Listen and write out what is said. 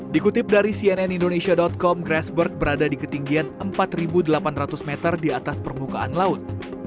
dikutip dari cnn indonesia com grassberg berada di ketinggian empat delapan ratus meter di atas permukaan laut